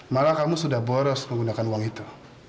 malah kamu sudah boros menggunakan uang itu